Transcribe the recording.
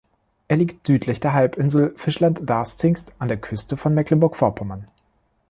Er liegt südlich der Halbinsel Fischland-Darß-Zingst an der Küste von Mecklenburg-Vorpommern.